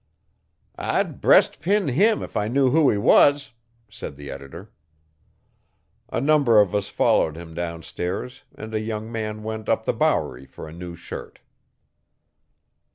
'I'd breast pin him if I knew who he was,' said the editor. A number of us followed him downstairs and a young man went up the Bowery for a new shirt.